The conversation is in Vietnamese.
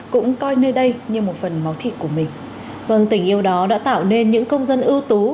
cũng coi nơi đây như một phần máu thịt của mình vâng tình yêu đó đã tạo nên những công dân ưu tú